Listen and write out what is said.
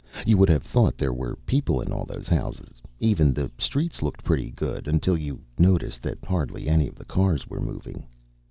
You would have thought there were people in all those houses. Even the streets looked pretty good, until you noticed that hardly any of the cars were moving.